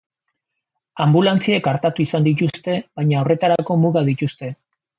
Anbulantziek artatu izan dituzte, baina horretarako mugak dituzte.